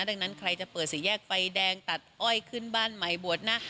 ดังนั้นใครจะเปิดสี่แยกไฟแดงตัดอ้อยขึ้นบ้านใหม่บวชนะ